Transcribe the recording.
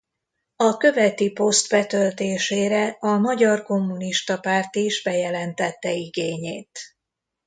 A követi poszt betöltésére a Magyar Kommunista Párt is bejelentette igényét.